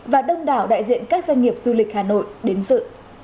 và đông đảo đại diện các doanh nghiệp du lịch hà nội đến dự